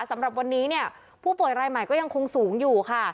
สำหรับวันนี้เนี่ยผู้ป่วยรายใหม่ก็ยังคงสูงอยู่ค่ะ